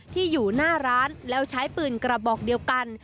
ที่อยู่หน้าร้านแล้วใช้ปืนกระบอกเดียวกัน